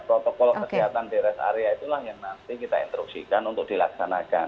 protokol kesehatan di rest area itulah yang nanti kita instruksikan untuk dilaksanakan